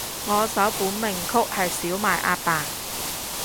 我首本名曲係少理阿爸